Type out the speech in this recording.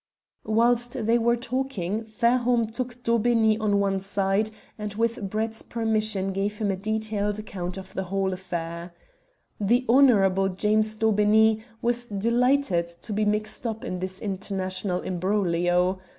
Whilst they were talking Fairholme took Daubeney on one side, and with Brett's permission gave him a detailed account of the whole affair. The Honourable James Daubeney was delighted to be mixed up in this international imbroglio.